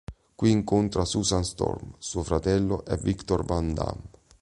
Qui incontra Susan Storm, suo fratello e Victor van Damme.